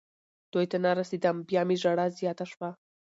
دوی ته نه رسېدم. بیا مې ژړا زیاته شوه.